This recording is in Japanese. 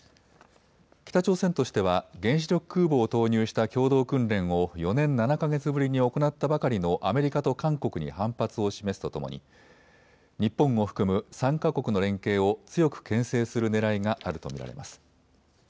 北朝鮮としては原子力空母を投入した共同訓練を４年７か月ぶりに行ったばかりのアメリカと韓国に反発を示すとともに日本を含む３か国の連携を強くけん制するねらいがあると見られます。